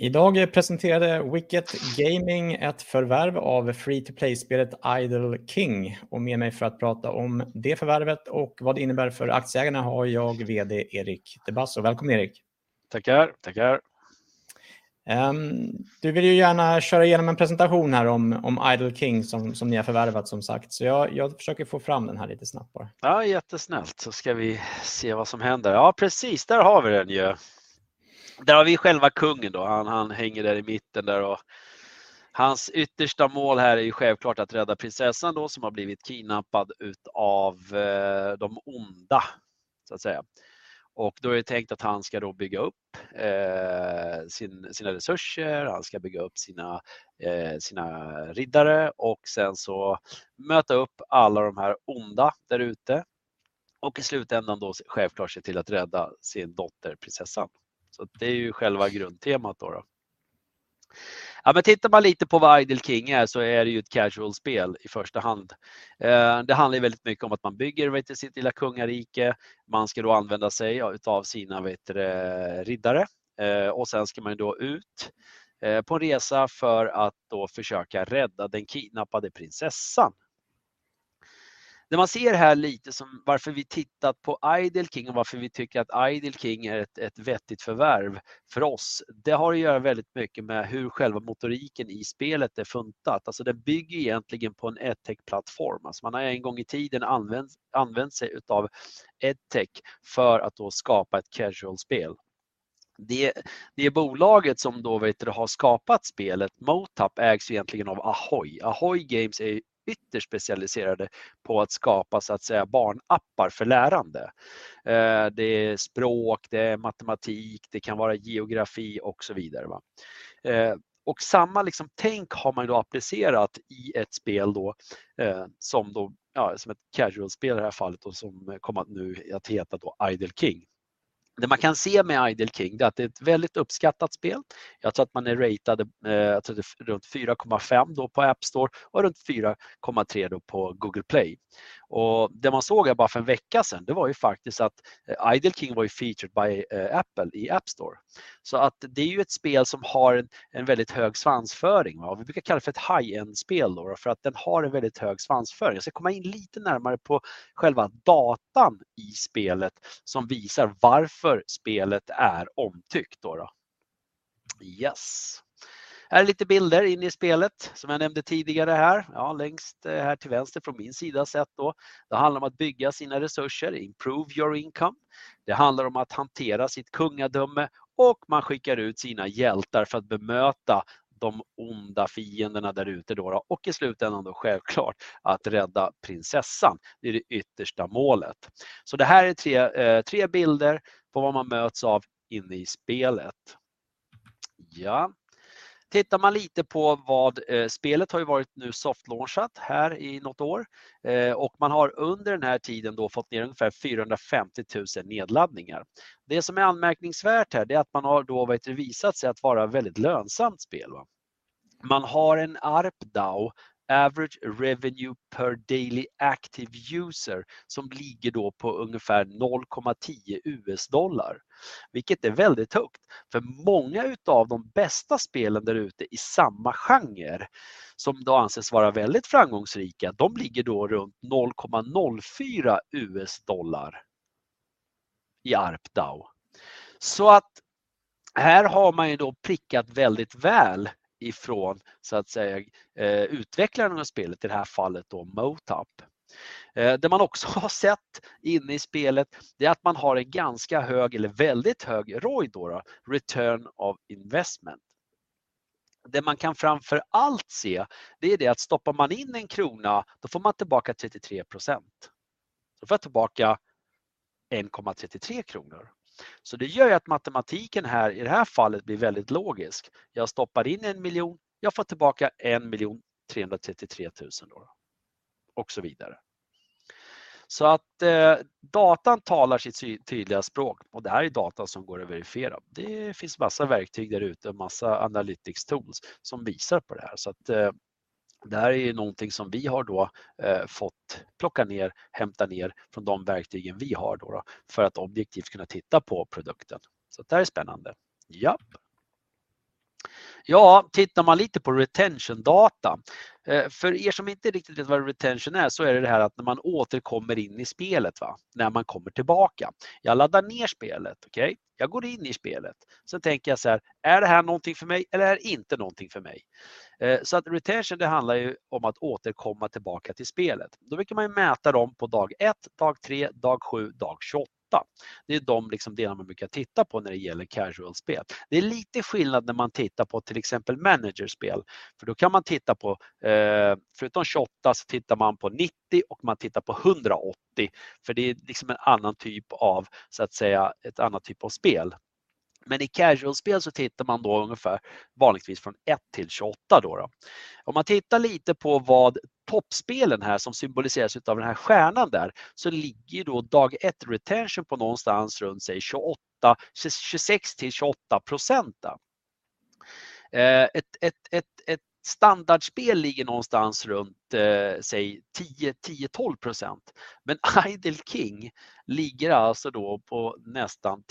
Idag presenterade Wicket Gaming ett förvärv av free-to-play-spelet Idle King. Med mig för att prata om det förvärvet och vad det innebär för aktieägarna har jag CEO Eric de Basso. Välkommen Eric. Tackar, tackar. Du vill ju gärna köra igenom en presentation här om Idle King som ni har förvärvat som sagt. Jag försöker få fram den här lite snabbt bara. Ja, jättesnällt. Ska vi se vad som händer. Ja, precis, där har vi den ju. Där har vi själva kungen då. Han hänger där i mitten där och hans yttersta mål här är ju självklart att rädda prinsessan då som har blivit kidnappad ut av de onda så att säga. Då är det tänkt att han ska då bygga upp sina resurser. Han ska bygga upp sina riddare och sen så möta upp alla de här onda där ute. I slutändan då självklart se till att rädda sin dotter, prinsessan. Det är ju själva grundtemat då då. Ja, men tittar man lite på vad Idle King är så är det ju ett casual-spel i första hand. Det handlar ju väldigt mycket om att man bygger sitt lilla kungarike. Man ska då använda sig utav sina, vet jag, riddare. Sen ska man ju då ut på en resa för att då försöka rädda den kidnappade prinsessan. Det man ser här lite som varför vi tittat på Idle King och varför vi tycker att Idle King är ett vettigt förvärv för oss, det har att göra väldigt mycket med hur själva motoriken i spelet är funtat. Alltså, det bygger egentligen på en edtech-plattform. Alltså, man har en gång i tiden använt sig utav edtech för att då skapa ett casual-spel. Det bolaget som då, vet du, har skapat spelet Motap ägs egentligen av Ahoiii. Ahoiii Games är ytter specialiserade på att skapa så att säga barnappar för lärande. Det är språk, det är matematik, det kan vara geografi och så vidare va. Samma liksom tänk har man då applicerat i ett spel, som då som ett casual-spel i det här fallet och som kom att nu att heta då Idle King. Det man kan se med Idle King, det är att det är ett väldigt uppskattat spel. Jag tror att man är ratad, jag tror att det är runt 4.5 då på App Store och runt 4.3 då på Google Play. Det man såg här bara för en vecka sen, det var ju faktiskt att Idle King var ju featured by Apple i App Store. Att det är ju ett spel som har en väldigt hög svansföring va. Vi brukar kalla för ett high-end-spel då för att den har en väldigt hög svansföring. Jag ska komma in lite närmare på själva datan i spelet som visar varför spelet är omtyckt då då. Här är lite bilder in i spelet som jag nämnde tidigare här. Längst här till vänster från min sida sett då. Det handlar om att bygga sina resurser, improve your income. Det handlar om att hantera sitt kungadöme och man skickar ut sina hjältar för att bemöta de onda fienderna där ute då. I slutändan då självklart att rädda prinsessan. Det är det yttersta målet. Det här är 3 bilder på vad man möts av inne i spelet. Tittar man lite på Spelet har ju varit nu soft launched här i något år. Man har under den här tiden då fått ner ungefär 450,000 nedladdningar. Det som är anmärkningsvärt här, det är att man har då visat sig att vara väldigt lönsamt spel va. Man har en ARPDAU, average revenue per daily active user, som ligger då på ungefär $0.10, vilket är väldigt högt. Många utav de bästa spelen där ute i samma genre som då anses vara väldigt framgångsrika, de ligger då runt $0.04 i ARPDAU. Här har man ju då prickat väldigt väl ifrån så att säga, utvecklaren av spelet, i det här fallet då Motap. Det man också har sett inne i spelet, det är att man har en ganska hög eller väldigt hög ROI då då, return of investment. Det man kan framför allt se, det är det att stoppar man in 1 SEK, då får man tillbaka 33%. Jag får tillbaka 1.33 kronor. Det gör ju att matematiken här i det här fallet blir väldigt logisk. Jag stoppar in 1 million, jag får tillbaka 1,333,000 då. Så vidare. Datan talar sitt tydliga språk och det här är data som går att verifiera. Det finns massa verktyg där ute, massa analytics tools som visar på det här. Det här är ju någonting som vi har då fått plocka ner, hämta ner från de verktygen vi har då för att objektivt kunna titta på produkten. Det här är spännande. Japp. Tittar man lite på retention-data. För er som inte riktigt vet vad retention är så är det här att när man återkommer in i spelet va, när man kommer tillbaka. Jag laddar ner spelet, okej? Jag går in i spelet. Tänker jag såhär, är det här någonting för mig eller är det inte någonting för mig? Retention, det handlar ju om att återkomma tillbaka till spelet. Brukar man ju mäta dem på dag 1, dag 3, dag 7, dag 28. Det är de liksom delar man brukar titta på när det gäller casual-spel. Det är lite skillnad när man tittar på till exempel manager-spel. Kan man titta på, förutom 28 så tittar man på 90 och man tittar på 180. Det är liksom en annan typ av, så att säga, ett annat typ av spel. I casual-spel så tittar man då ungefär vanligtvis från 1 till 28 då då. Om man tittar lite på vad toppspelen här som symboliseras utav den här stjärnan där, ligger ju då dag 1 retention på någonstans runt säg 28, 26-28%. Ett standardspel ligger någonstans runt säg 10-12%. Idle King ligger alltså då på nästan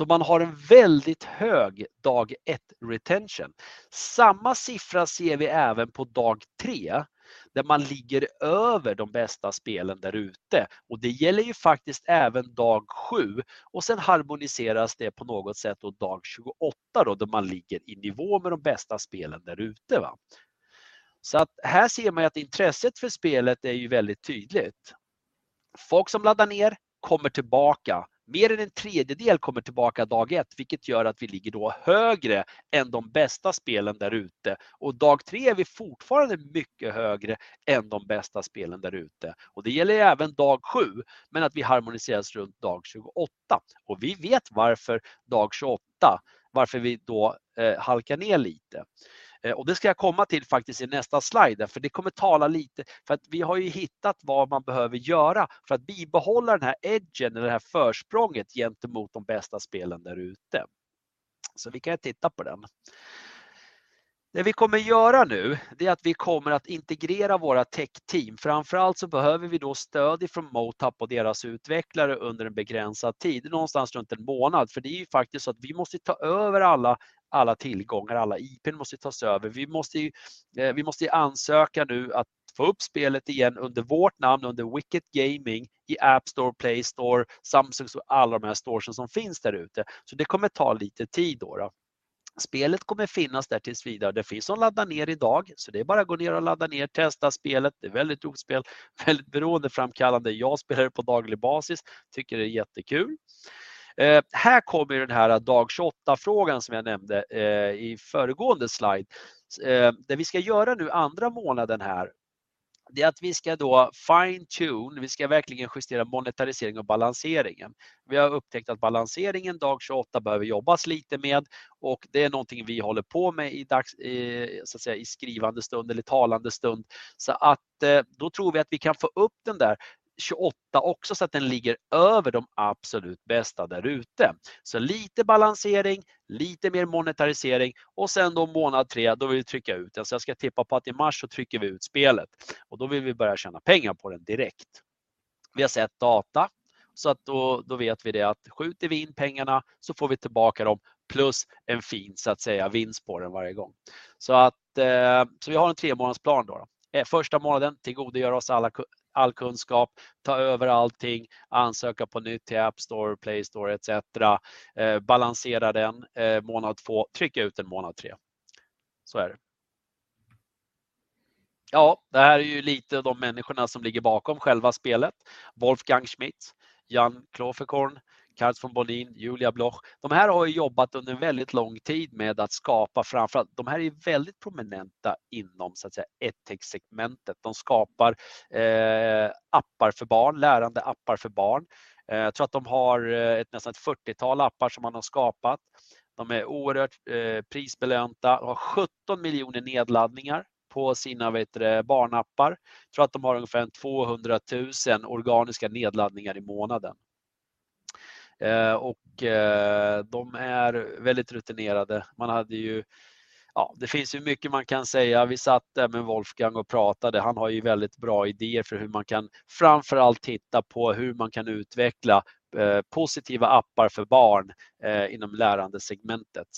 35%. Man har en väldigt hög dag 1 retention. Samma siffra ser vi även på dag 3, där man ligger över de bästa spelen där ute. Det gäller ju faktiskt även dag 7 och sen harmoniseras det på något sätt och dag 28 då man ligger i nivå med de bästa spelen där ute va. Här ser man ju att intresset för spelet är ju väldigt tydligt. Folk som laddar ner kommer tillbaka. Mer än en tredjedel kommer tillbaka day one, vilket gör att vi ligger då högre än de bästa spelen där ute. Dag three är vi fortfarande mycket högre än de bästa spelen där ute. Det gäller även day seven, men att vi harmoniseras runt day 28. Vi vet varför day 28, varför vi då halkar ner lite. Det ska jag komma till faktiskt i nästa slide för det kommer tala lite. Vi har ju hittat vad man behöver göra för att bibehålla den här edgen eller det här försprånget gentemot de bästa spelen där ute. Vi kan titta på den. Det vi kommer göra nu, det är att vi kommer att integrera våra tech team. Framför allt så behöver vi då stöd ifrån Motap och deras utvecklare under en begränsad tid, någonstans runt one month. Det är ju faktiskt så att vi måste ta över alla tillgångar, alla IPn måste tas över. Vi måste ju ansöka nu att få upp spelet igen under vårt namn, under Wicket Gaming i App Store, Play Store, Samsung och alla de här storesen som finns där ute. Det kommer ta lite tid då då. Spelet kommer finnas där tills vidare. Det finns att ladda ner i dag så det är bara att gå ner och ladda ner, testa spelet. Det är väldigt roligt spel, väldigt beroendeframkallande. Jag spelar det på daglig basis, tycker det är jättekul. Här kommer den här dag 28-frågan som jag nämnde i föregående slide. Det vi ska göra nu andra månaden här, det är att vi ska då fine-tune, vi ska verkligen justera monetarisering och balanseringen. Vi har upptäckt att balanseringen dag 28 behöver jobbas lite med och det är någonting vi håller på med i så att säga i skrivande stund eller talande stund. Då tror vi att vi kan få upp den där 28 också så att den ligger över de absolut bästa där ute. Lite balansering, lite mer monetarisering och sen då month 3, då vill vi trycka ut den. Jag ska tippa på att i mars så trycker vi ut spelet och då vill vi börja tjäna pengar på den direkt. Vi har sett data så att då vet vi det att skjuter vi in pengarna så får vi tillbaka dem plus en fin så att säga vinst på den varje gång. Vi har en 3-month plan då. Första månaden tillgodogöra oss all kunskap, ta över allting, ansöka på nytt till App Store, Play Store et cetera. Balansera den månad 2, trycka ut den månad 3. Är det. Det här är ju lite de människorna som ligger bakom själva spelet. Wolfgang Schmitz, Jan Klövekorn, Carl von Bonin, Julia Bloch. De här har jobbat under en väldigt lång tid med att skapa framför allt, de här är väldigt prominenta inom så att säga EdTech-segmentet. De skapar appar för barn, lärande appar för barn. Jag tror att de har ett nästan ett 40-tal appar som man har skapat. De är oerhört prisbelönta och har 17 miljoner nedladdningar på sina vad heter det, barnappar. Tror att de har ungefär 200,000 organiska nedladdningar i månaden. De är väldigt rutinerade. Man hade ju, det finns ju mycket man kan säga. Vi satt där med Wolfgang och pratade. Han har ju väldigt bra idéer för hur man kan framför allt titta på hur man kan utveckla positiva appar för barn inom lärandesegmentet.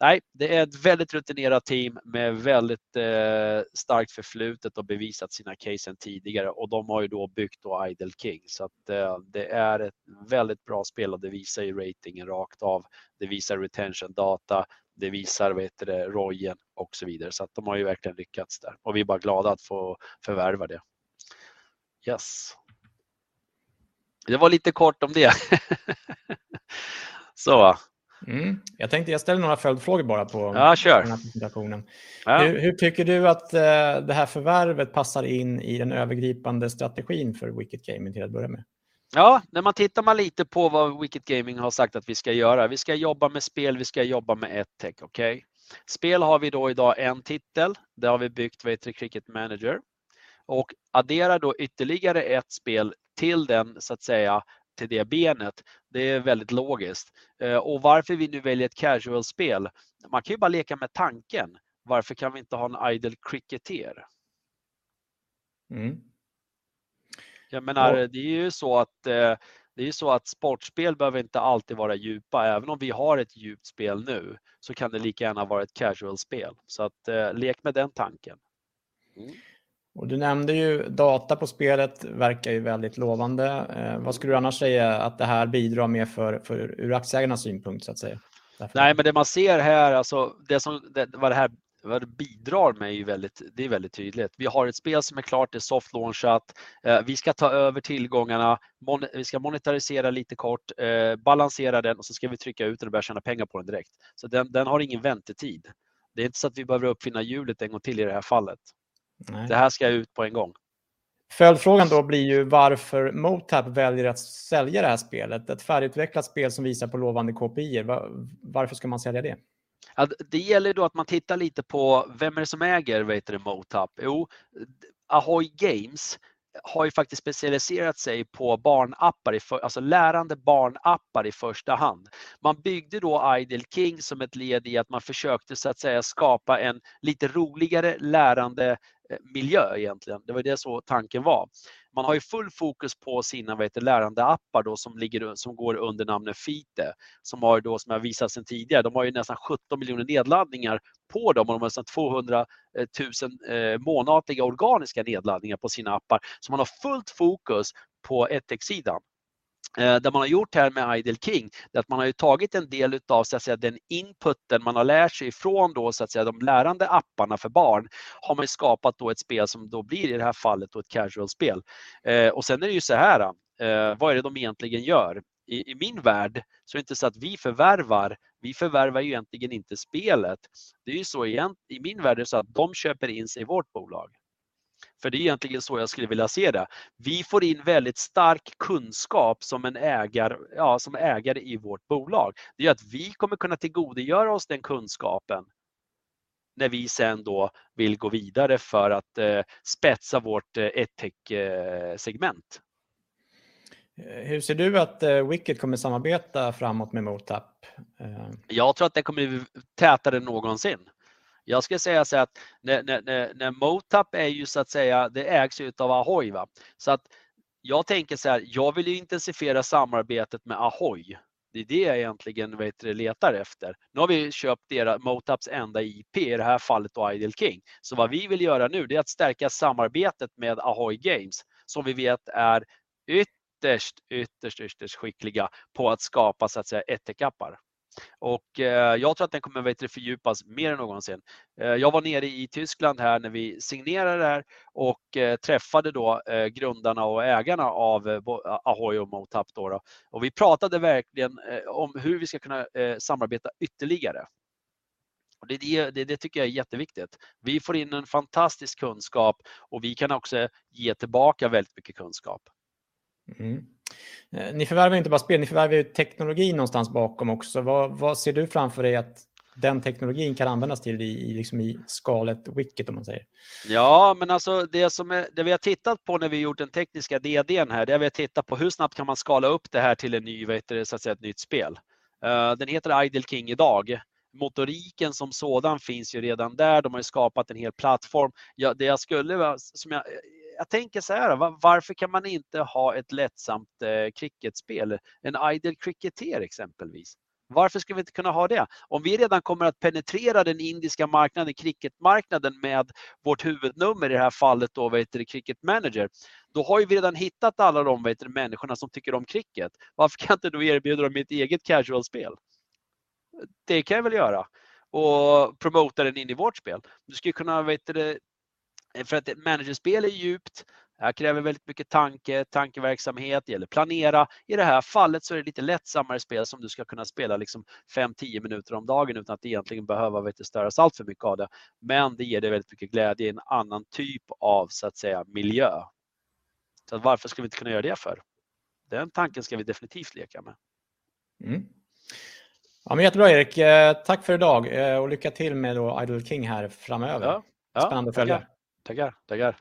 Nej, det är ett väldigt rutinerat team med väldigt starkt förflutet och bevisat sina case sen tidigare och de har ju då byggt då Idle King. Det är ett väldigt bra spel och det visar ju ratingen rakt av. Det visar retention data, det visar vad heter det, ROI en och så vidare. De har ju verkligen lyckats där och vi är bara glada att få förvärva det. Yes. Det var lite kort om det. Så. Jag tänkte jag ställer några följdfrågor bara. Ja, kör. Den här presentationen. Hur tycker du att det här förvärvet passar in i den övergripande strategin för Wicket Gaming till att börja med? Ja, när man tittar lite på vad Wicket Gaming har sagt att vi ska göra. Vi ska jobba med spel, vi ska jobba med EdTech, okej? Spel har vi då i dag en titel. Det har vi byggt vad heter Cricket Manager och addera då ytterligare ett spel till den, så att säga, till det benet. Det är väldigt logiskt. Varför vi nu väljer ett casual-spel? Man kan ju bara leka med tanken. Varför kan vi inte ha en Idle Cricketer? Mm. Jag menar, det är ju så att sportspel behöver inte alltid vara djupa. Även om vi har ett djupt spel nu så kan det lika gärna vara ett casual-spel. Lek med den tanken. Du nämnde ju data på spelet verkar ju väldigt lovande. Vad skulle du annars säga att det här bidrar med för ur aktieägarnas synpunkt så att säga? Nej, men det man ser här alltså, det som, vad det här bidrar med är ju väldigt, det är väldigt tydligt. Vi har ett spel som är klart, det är soft launchat. Vi ska ta över tillgångarna, vi ska monetarisera lite kort, balansera den och så ska vi trycka ut den och börja tjäna pengar på den direkt. Den har ingen väntetid. Det är inte så att vi behöver uppfinna hjulet en gång till i det här fallet. Det här ska ut på en gång. Följdfrågan då blir ju varför Motap väljer att sälja det här spelet. Ett färdigutvecklat spel som visar på lovande KPIer. Varför ska man sälja det? Ja det gäller då att man tittar lite på vem är det som äger vad heter det Motap? Jo, Ahoiii Games har ju faktiskt specialiserat sig på barnappar, alltså lärande barnappar i första hand. Man byggde då Idle King som ett led i att man försökte så att säga skapa en lite roligare lärande miljö egentligen. Det var det så tanken var. Man har ju full fokus på sina vad heter det lärande appar då som går under namnet Fiete. Som har ju då, som jag visat sen tidigare, de har ju nästan 17 million nedladdningar på dem. De har nästan 200,000 månatliga organiska nedladdningar på sina appar. Man har fullt fokus på edtech-sidan. Det man har gjort här med Idle King det är att man har ju tagit en del utav så att säga den inputen man har lärt sig ifrån då så att säga de lärande apparna för barn har man ju skapat då ett spel som då blir i det här fallet då ett casual-spel. Sen är det ju såhär. Vad är det de egentligen gör? I, i min värld så är det inte så att vi förvärvar, vi förvärvar ju egentligen inte spelet. Det är ju så i min värld är det så att de köper in sig i vårt bolag. Det är egentligen så jag skulle vilja se det. Vi får in väldigt stark kunskap som en ägare, ja som ägare i vårt bolag. Det är ju att vi kommer kunna tillgodogöra oss den kunskapen när vi sen då vill gå vidare för att spetsa vårt edtech-segment. Hur ser du att Wicket kommer samarbeta framåt med Motap? Jag tror att det kommer bli tätare än någonsin. Jag skulle säga såhär att Motap är ju så att säga, det ägs utav Ahoiii, va. Jag tänker såhär, jag vill ju intensifiera samarbetet med Ahoiii. Det är det jag egentligen vad heter det letar efter. Nu har vi köpt deras, Motaps enda IP, i det här fallet då Idle King. Vad vi vill göra nu, det är att stärka samarbetet med Ahoiii Games. Som vi vet är ytterst, ytterst skickliga på att skapa så att säga edtech-appar. Jag tror att den kommer vad heter det fördjupas mer än någonsin. Jag var nere i Tyskland här när vi signerade det här och träffade då grundarna och ägarna av Ahoiii och Motap då. Vi pratade verkligen om hur vi ska kunna samarbeta ytterligare. Det, det tycker jag är jätteviktigt. Vi får in en fantastisk kunskap och vi kan också ge tillbaka väldigt mycket kunskap. Ni förvärvar inte bara spel, ni förvärvar ju teknologi någonstans bakom också. Vad ser du framför dig att den teknologin kan användas till i liksom i skalet Wicket om man säger? Det vi har tittat på när vi har gjort den tekniska DD här, det vi har tittat på hur snabbt kan man skala upp det här till ett nytt spel. Den heter Idle King i dag. Motoriken som sådan finns ju redan där. De har ju skapat en hel plattform. Jag, som jag tänker såhär. Varför kan man inte ha ett lättsamt cricketspel? En Idle Cricketer exempelvis. Varför ska vi inte kunna ha det? Om vi redan kommer att penetrera den indiska marknaden, cricketmarknaden med vårt huvudnummer, i det här fallet då Cricket Manager. Då har ju vi redan hittat alla de människorna som tycker om cricket. Varför kan inte då erbjuda dem ett eget casual-spel? Det kan jag väl göra. Promota den in i vårt spel. Du ska kunna vad heter det, för att ett managerspel är djupt. Det kräver väldigt mycket tanke, tankeverksamhet, det gäller planera. I det här fallet så är det lite lättsammare spel som du ska kunna spela liksom 5, 10 minuter om dagen utan att egentligen behöva vad heter det störas alltför mycket av det. Det ger dig väldigt mycket glädje i en annan typ av så att säga miljö. Varför ska vi inte kunna göra det för? Den tanken ska vi definitivt leka med. Jättebra Erik. Tack för i dag och lycka till med då Idle King här framöver. Spännande att följa. Tackar, tackar.